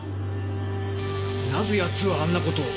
なぜやつはあんなことを？